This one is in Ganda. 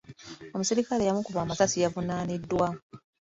Omuserikale eyamukuba essasi yavunaaniddwa.